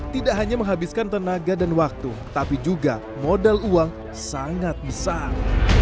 tidak hanya menghabiskan tenaga dan waktu tapi juga modal uang sangat besar